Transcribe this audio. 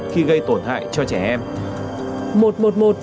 khi gây tổn hại cho trẻ em